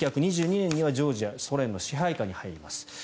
１９２２年にはジョージアソ連の支配下に入ります。